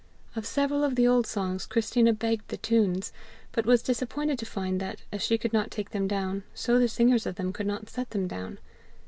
Of several of the old songs Christina begged the tunes, but was disappointed to find that, as she could not take them down, so the singers of them could not set them down.